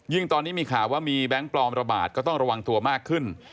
ตอนนี้มีข่าวว่ามีแบงค์ปลอมระบาดก็ต้องระวังตัวมากขึ้น